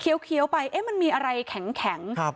เคี้ยวเคี้ยวไปเอ๊ะมันมีอะไรแข็งแข็งครับ